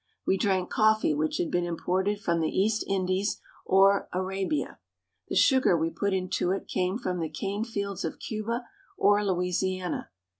We drank coffee which had been imported from the East Indies or Arabia. The sugar we put into it came from the cane fields of Cuba or Louisiana.